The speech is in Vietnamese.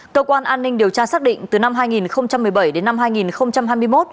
cơ quan an ninh điều tra xác định từ năm hai nghìn một mươi bảy đến năm hai nghìn hai mươi một